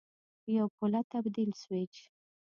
یو پله تبدیل سویچ